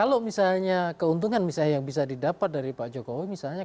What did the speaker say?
kalau misalnya keuntungan misalnya yang bisa didapat dari pak jokowi misalnya